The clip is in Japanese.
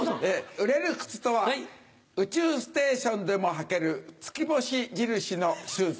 売れる靴とは宇宙ステーションでも履ける月星印のシューズ。